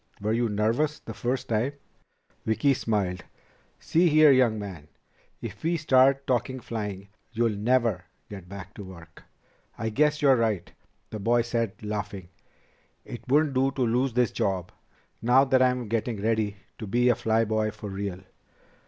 Were you nervous the first time?" Vicki smiled. "See here, young man, if we start talking flying you'll never get back to work." "I guess you're right," the boy said, laughing. "It wouldn't do to lose this job, now that I'm getting ready to be a fly boy for real."